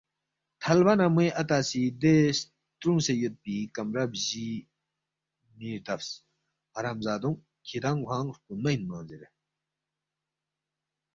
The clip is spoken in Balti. تھلبا نہ موے اتا سی دے سترُونگسے یودپی کمرہ بجی می ردبس، حرامزادونگ کِھدانگ کھوانگ ہرکُونمہ اِنمنگ زیرے